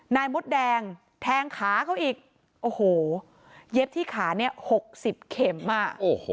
นายมดแดงแทงขาเขาอีกโอ้โหเย็บที่ขาเนี่ย๖๐เข็มอ่ะ